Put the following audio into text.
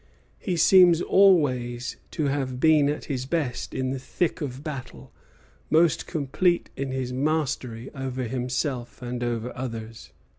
He seems always to have been at his best in the thick of battle; most complete in his mastery over himself and over others.